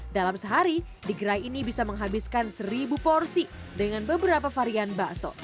dalam sehari digerai ini bisa menghabiskan satu porsi dengan beberapa varian bakso